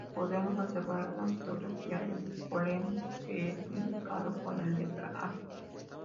Podemos observar en la fotografía el polen que es indicado con la letra a.